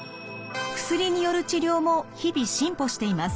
薬による治療も日々進歩しています。